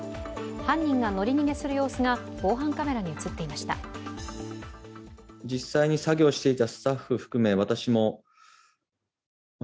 犯人が乗り逃げする様子が防犯カメラに映っていました。